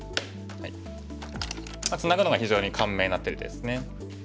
ツナぐのが非常に簡明な手ですね。